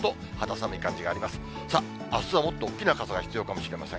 さあ、あすはもっとおっきな傘が必要かもしれません。